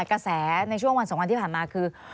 กระแสในช่วงวัน๒วันที่ผ่านมาคือ